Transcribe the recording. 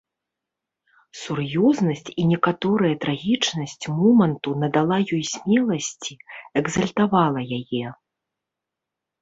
Сур'ёзнасць і некаторая трагічнасць моманту надала ёй смеласці, экзальтавала яе.